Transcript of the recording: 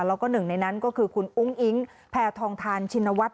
แล้วก็หนึ่งในนั้นก็คือคุณอุ้งอิ๊งแพทองทานชินวัฒน